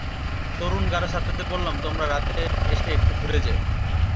তরুণ গারো ছাত্রদের বললাম, তোমরা রাতে এসে একটু ঘুরে যেয়ো।